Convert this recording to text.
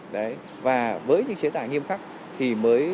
đấy và với những chế tài nghiêm khắc thì mới